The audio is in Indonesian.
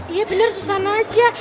iya bener susan aja